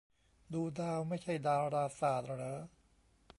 ดูดาวไม่ใช่ดาราศาสตร์เหรอ